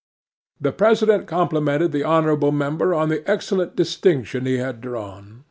'THE PRESIDENT complimented the honourable member on the excellent distinction he had drawn.